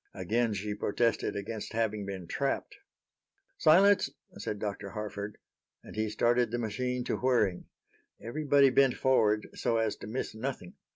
Again she protested against having been trapped. "Silence," said Dr. Harford, and he started the machine to whirring. Everybody bent forward so as to miss nothing.